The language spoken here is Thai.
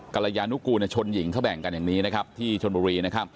กรยานุกูลชนหญิงเขาแบ่งกันอย่างนี้ที่ชนบุรี